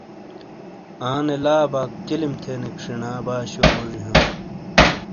آنے لا باک چلم تھینیک شینا باشو موجی ہاں۔